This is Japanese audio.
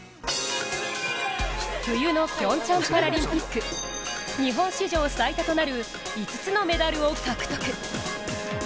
冬のピョンチャンパラリンピック、日本史上最多となる５つのメダルを獲得。